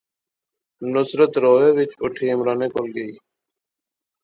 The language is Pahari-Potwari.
نصرت رووہے وچ اوٹھی عمرانے کول گئی